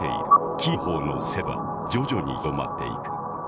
キーホーの説は徐々に広まっていく。